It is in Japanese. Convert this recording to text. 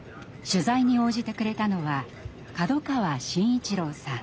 取材に応じてくれたのは門川紳一郎さん。